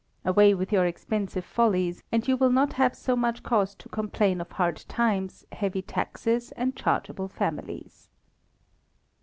Away with your expensive follies, and you will not have so much cause to complain of hard times, heavy taxes, and chargeable families.